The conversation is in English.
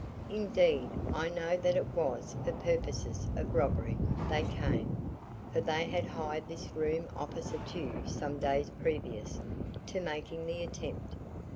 Indeed I know that it was for purposes of robbery they came, for they had hired this room opposite you some days previous to making the attempt.